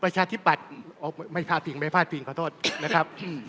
ประชาชนิดปัดไม่พลาดผิงขอโทษนะครับ